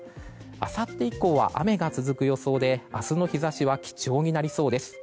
あさって以降は雨が続く予想で明日の日差しは貴重になりそうです。